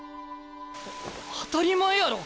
当たり前やろ！